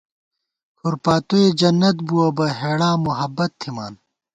کھُر پاتوئے جنت بُوَہ بہ ہیڑا محبت تھِمان